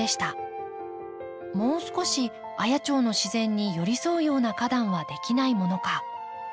もう少し綾町の自然に寄り添うような花壇はできないものか。